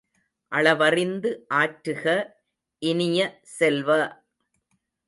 அளவறிந்து ஆற்றுக இனிய செல்வ!